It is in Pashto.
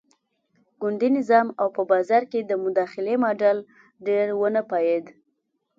ګوندي نظام او په بازار کې د مداخلې ماډل ډېر ونه پایېد.